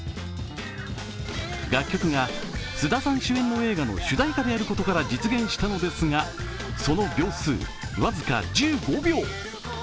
楽曲が菅田さん主演の映画の主題歌であることから実現したのですがその秒数、僅か１５秒！